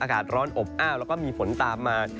อากาศร้อนอบอ้าวแล้วก็มีฝนตามมา